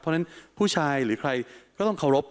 เพราะฉะนั้นผู้ชายหรือใครก็ต้องเคารพ